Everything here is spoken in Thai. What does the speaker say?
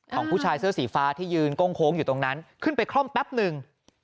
ของผู้ชายเสื้อสีฟ้าที่ยืนโก้งโค้งอยู่ตรงนั้นขึ้นไปคล่อมแป๊บหนึ่ง